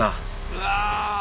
うわ！